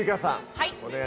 はい。